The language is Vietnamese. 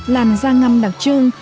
làn da ngăm đặc trưng